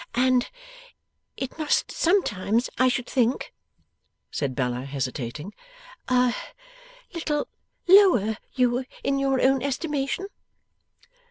' And it must sometimes, I should think,' said Bella, hesitating, 'a little lower you in your own estimation?